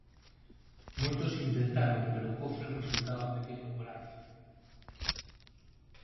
Moitos intentaron pero o cofre resultaba pequeno ou grande.